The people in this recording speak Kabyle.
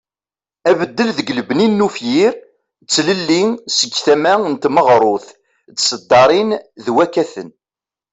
Abeddel deg lbeni n ufyir ,d tlelli seg tama n tmeɣrut d tesddarin d wakaten.